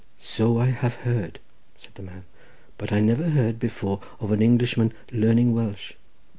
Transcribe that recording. "So I have heard," said the man, "but I never heard before of an Englishman learning Welsh."